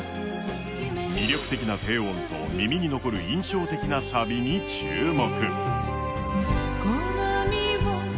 魅力的な低音と耳に残る印象的なサビに注目。